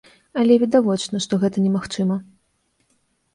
Але відавочна, што гэта немагчыма.